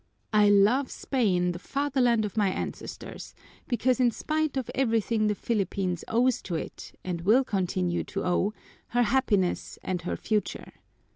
I love Spain, the fatherland of my ancestors, because in spite of everything the Philippines owes to it, and will continue to owe, her happiness and her future.